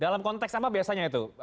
dalam konteks apa biasanya itu